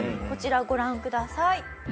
こちらご覧ください。